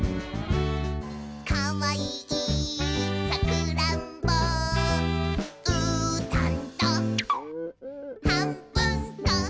「かわいいさくらんぼ」「うーたんとはんぶんこ！」